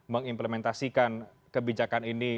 mengimplementasikan kebijakan ini